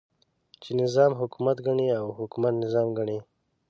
چې نظام حکومت ګڼي او حکومت نظام ګڼي.